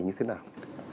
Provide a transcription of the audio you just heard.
như thế nào